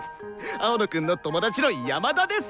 青野くんの友達の山田です！